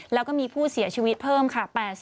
แล้วก็มีผู้เสียชีวิตเพิ่มค่ะ